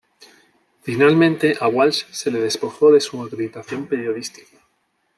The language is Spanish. Finalmente a Walsh se le despojó de su acreditación periodística.